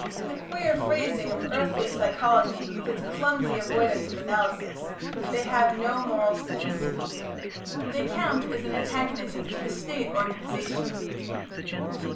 In the queer phrasing of earthly psychology with its clumsy avoidance of analysis, they have no "moral sense." They count as an antagonism to the State organisation.